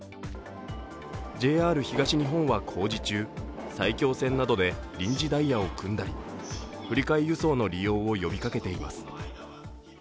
ＪＲ東日本は工事中埼京線などで臨時ダイヤを組んだり振り替え輸送の利用を呼びかけています。